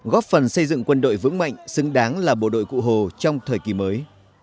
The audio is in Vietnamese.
góp phần xây dựng quân đội vững mạnh xứng đáng là bộ đội cụ hồ trong thời kỳ mới